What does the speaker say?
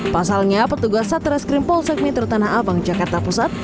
pasalnya petugas satreskrim polsek metro tanah abang jakarta pusat